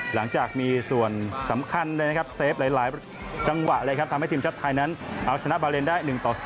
หลังจากมีส่วนสำคัญเลยนะครับเซฟหลายจังหวะเลยครับทำให้ทีมชาติไทยนั้นเอาชนะบาเลนได้๑ต่อ๐